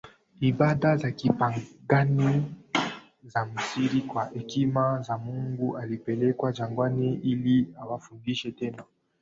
ibada za kipagani za Misri Kwa Hekima ya Mungu aliwapeleka jangwani ili awafundishe tena